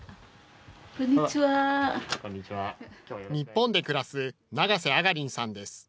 日本で暮らす長瀬アガリンさんです。